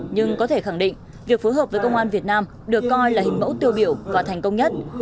nhưng có thể khẳng định việc phối hợp với công an việt nam được coi là hình mẫu tiêu biểu và thành công nhất